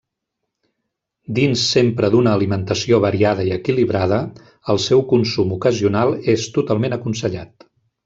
Dins sempre d'una alimentació variada i equilibrada, el seu consum ocasional és totalment aconsellat.